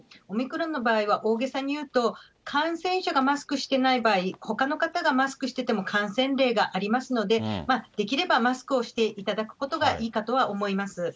オミクロンの場合は、大げさに言うと、感染者がマスクしてない場合、ほかの方がマスクしてても感染例がありますので、できれば、マスクをしていただくことがいいかとは思います。